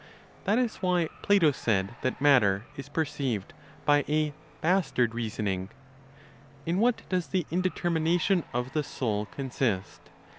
That is why Plato said that matter is perceived by a "bastard reasoning." In what does the indetermination of the soul consist?